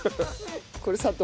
これ砂糖？